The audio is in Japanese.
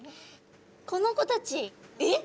この子たちえっ？